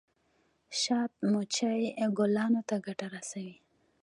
شات مچۍ ګلانو ته ګټه رسوي